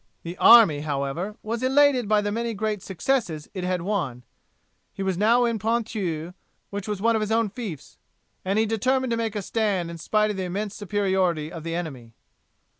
The army, however, was elated by the many great successes it had won, he was now in Ponthieu, which was one of his own fiefs, and he determined to make a stand in spite of the immense superiority of the enemy.